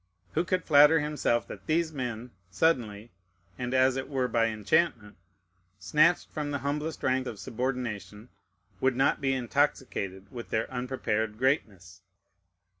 Who could flatter himself that these men, suddenly, and as it were by enchantment, snatched from the humblest rank of subordination, would not be intoxicated with their unprepared greatness?